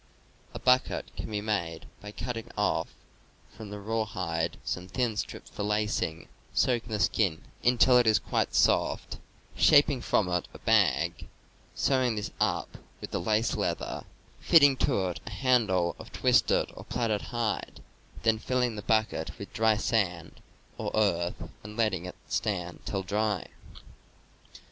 A hide bucket can be made by cutting off from the rawhide some thin strips for lacing, soaking the skin until it is quite soft, shaping from it a bag, sewing this up with the lace leather, fitting to it a handle of twisted or plaited hide, then filling the bucket with dry sand or earth and letting it stand till dry.